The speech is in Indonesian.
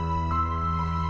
ceng eh tunggu